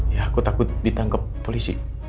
ya aku takut ditangkap polisi